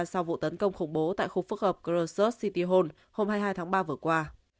sau vụ tấn công khủng bố tại khu phức hợp khrushchev city hall hôm hai mươi hai tháng ba vừa qua